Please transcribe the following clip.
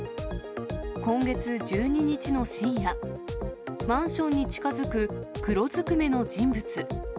今月１２日の深夜、マンションに近づく黒ずくめの人物。